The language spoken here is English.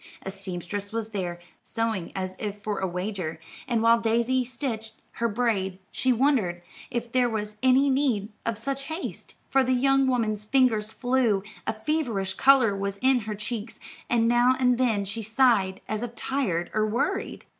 A seamstress was there, sewing as if for a wager, and while Daisy stitched her braid she wondered if there was any need of such haste; for the young woman's fingers flew, a feverish color was in her cheeks, and now and then she sighed as if tired or worried.